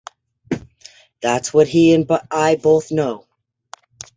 That's what he and I both know